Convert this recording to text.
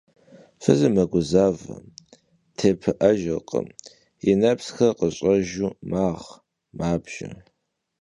Fızır meguzeve, têpı'ejjırkhım, yi nepsxer khış'ejju mağ - mabjje.